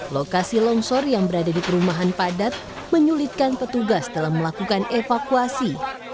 lokasi longsor yang berada di perumahan padat menyulitkan petugas dalam melakukan evakuasi